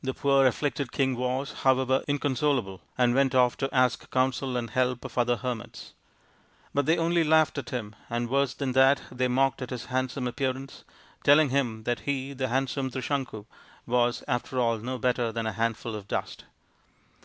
The poor afflicted king was, however, inconsol able, and went off to ask counsel and help of other 214 THE INDIAN STORY BOOK hermits. But they only laughed at him, and, worse than that, they mocked at his handsome appearance, telling him that he, the handsome Trisanku, was, after all, no better than a handful of dust.